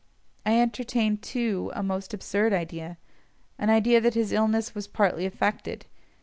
I entertained too a most absurd idea—an idea that his illness was partly affected.